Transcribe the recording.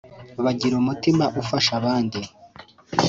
bagira umutima ufasha abandi